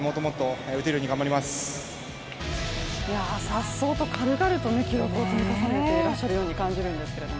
さっそうと軽々と記録を積み重ねてらっしゃるように見えるんですけど。